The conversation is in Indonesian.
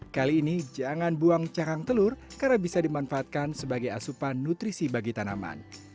kali ini jangan buang carang telur karena bisa dimanfaatkan sebagai asupan nutrisi bagi tanaman